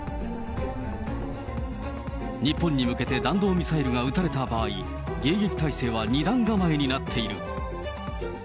日本に向けて弾道ミサイルが撃たれた場合、迎撃体制は２段構えになっている。